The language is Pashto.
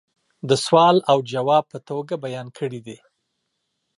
دسوال او جواب په توگه بیان کړي دي